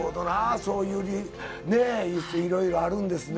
そういうね、いろいろあるんですね。